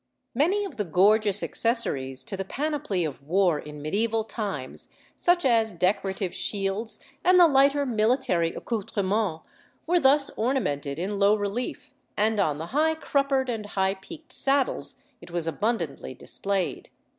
Many of the gorgeous accessories to the panoply of war in mediæval times, such as decorative shields and the lighter military accoutrements, were thus ornamented in low relief, and on the high cruppered and high peaked saddles it was abundantly displayed.